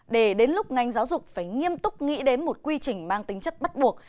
để đến lúc ngành giáo dục phải nghiêm túc nghĩ đến một quy trình mang tính chất bắt buộc